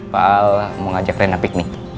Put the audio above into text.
pak al mau ngajak rena piknik